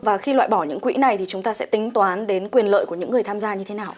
và khi loại bỏ những quỹ này thì chúng ta sẽ tính toán đến quyền lợi của những người tham gia như thế nào